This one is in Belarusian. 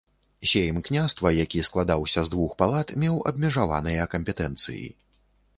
Сейм княства, які складаўся з двух палат, меў абмежаваныя кампетэнцыі.